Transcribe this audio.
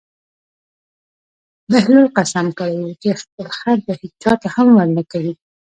بهلول قسم کړی و چې خپل خر به هېچا ته هم نه ورکوي.